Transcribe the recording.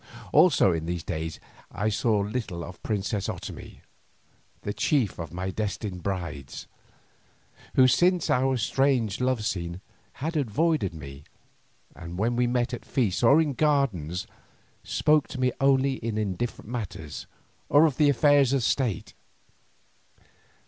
Also in these days I saw little of the princess Otomie, the chief of my destined brides, who since our strange love scene had avoided me, and when we met at feasts or in the gardens spoke to me only on indifferent matters, or of the affairs of state.